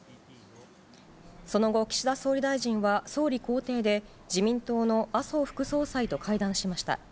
その後、岸田総理大臣は総理公邸で自民党の麻生副総裁と会談しました。